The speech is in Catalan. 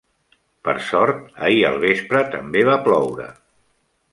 Per sort, ahir al vespre també va ploure.